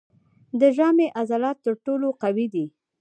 د ژامې عضلات تر ټولو قوي دي.